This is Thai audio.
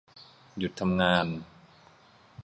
หยุดทำงาน